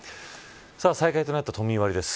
再開となった都民割です。